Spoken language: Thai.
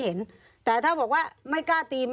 มีความรู้สึกว่ามีความรู้สึกว่า